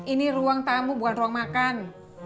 ini ruang tamu bukan ruang makan